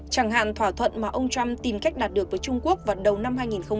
chẳng hạn thỏa thuận mà ông trump tìm cách đạt được với trung quốc vào đầu năm hai nghìn một mươi năm